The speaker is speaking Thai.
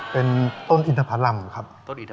เป็นต้นอินทพรรมครับ